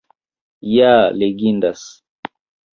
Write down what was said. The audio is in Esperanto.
Ja legindas!